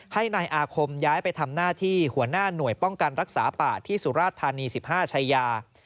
ให้นายอาคมย้ายไปทำหน้าที่หัวหน้าหน่วยป้องกันรักษาป่าที่สุราชธานี๑๕ชายา